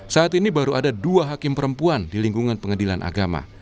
saat ini baru ada dua hakim perempuan di lingkungan pengadilan agama